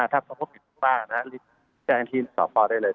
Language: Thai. ถ้าพบเห็นคุณป้าแจ้งที่สตภได้เลย